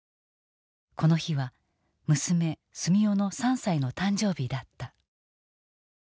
この日は娘住代の３歳の誕生日だった。